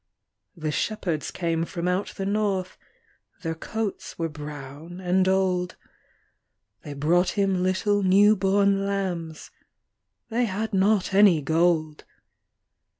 The shepherds came from out the north, Their coats were brown and old, They brought Him little new born lambs They had not any gold.